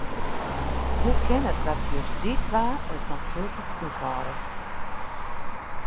Hoe kin it dat just dy twa it noch hieltyd úthâlde?